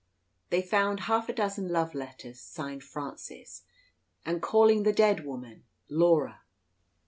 They found half a dozen love letters signed "Francis," and calling the dead woman "Laura."